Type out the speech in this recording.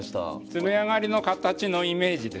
詰め上がりの形のイメージですね。